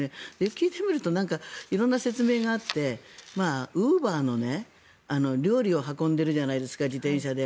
聞いてみると色んな説明があってウーバーの料理を運んでるじゃないですか自転車で。